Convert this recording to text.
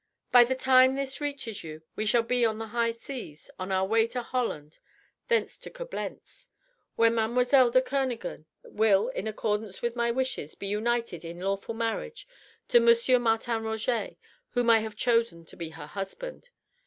By the time this reaches you we shall be on the high seas on our way to Holland, thence to Coblentz, where Mademoiselle de Kernogan will in accordance with my wishes be united in lawful marriage to M. Martin Roget whom I have chosen to be her husband.